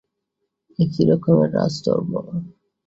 এ কী রকমের রাজধর্ম?